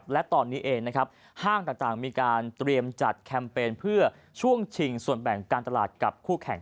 และตอนนี้เองนะครับห้างต่างมีการเตรียมจัดแคมเปญเพื่อช่วงชิงส่วนแบ่งการตลาดกับคู่แข่ง